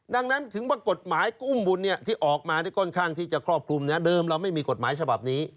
นั่งนั้นถึงว่ากฎหมายอุ่มบุญที่ออกมาหน้ากล่องไข้กลอบคลุมนะเดิมเราไม่มีกฎหมายฉบัดนี้